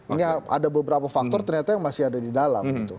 ini ada beberapa faktor ternyata yang masih ada di dalam